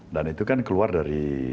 dan itu kan keluar dari